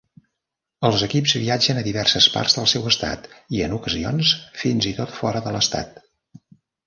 Els equips viatgen a diverses parts del seu estat i en ocasions fins i tot fora de l'estat.